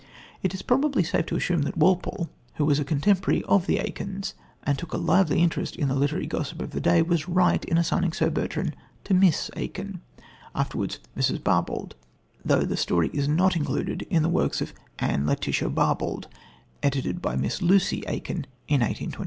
It is probably safe to assume that Walpole, who was a contemporary of the Aikins and who took a lively interest in the literary gossip of the day, was right in assigning Sir Bertrand to Miss Aikin, afterwards Mrs. Barbauld, though the story is not included in The Works of Anne Letitia Barbauld, edited by Miss Lucy Aikin in 1825.